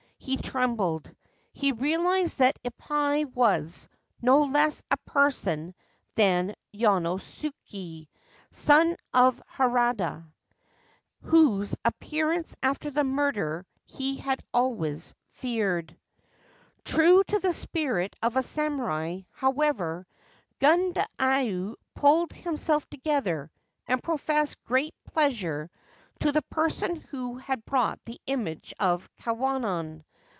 He trembled. He realised that Ippai was no less a person than Yonosuke, son of Harada, whose appearance after the murder he had always feared. 339 Ancient Tales and Folklore of Japan True to the spirit of a samurai, however, Gundayu * pulled himself together,' and professed great pleasure to the person who had brought the image of Kwannon.